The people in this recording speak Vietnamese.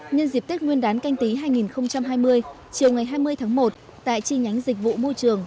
nhân dịp tết nguyên đán canh tí hai nghìn hai mươi chiều ngày hai mươi tháng một tại chi nhánh dịch vụ môi trường